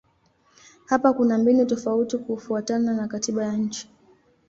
Hapa kuna mbinu tofauti kufuatana na katiba ya nchi.